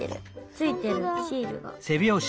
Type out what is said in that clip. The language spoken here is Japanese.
ついてるシールが。